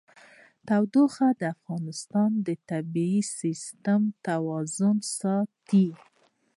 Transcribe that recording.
تودوخه د افغانستان د طبعي سیسټم توازن ساتي.